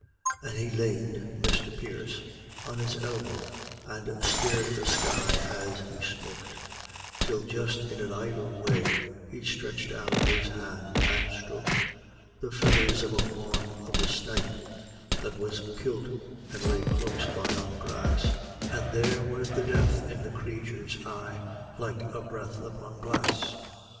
An' he laned Misther Pierce on his elbow, an' stared at the sky as he smoked, Till just in an idle way he sthretched out his hand an' sthroked The feathers o' wan of the snipe that was kilt an' lay close by on the grass; An' there was the death in the crathur's eyes like a breath upon glass.